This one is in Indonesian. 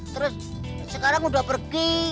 terus sekarang udah pergi